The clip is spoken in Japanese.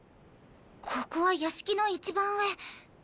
ここは屋敷の一番上。